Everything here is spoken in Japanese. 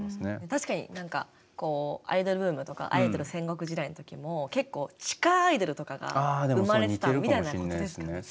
確かに何かアイドルブームとかアイドル戦国時代の時も結構地下アイドルとかが生まれてたみたいなことですかね。